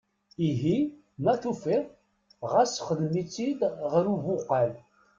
Ihi ma tufiḍ ɣas xdem-itt-id ɣer ubuqal.